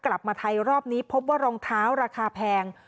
กลับมาไทยรอบนี้พบว่ารองเท้าราคาแพง